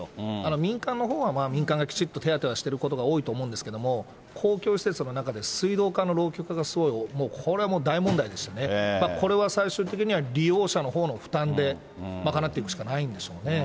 民間のほうは民間がきちっと手当はしていることが多いと思うんですけれども、公共施設の中で水道管の老朽化がすごいもう、これ大問題でしてね、これは最終的には、利用者のほうの負担で賄っていくしかないんでしょうね。